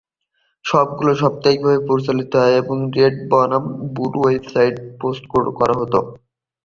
পর্বগুলো সাপ্তাহিকভাবে প্রচারিত হত এবং রেড বনাম ব্লু ওয়েবসাইটে পোস্ট করা হত।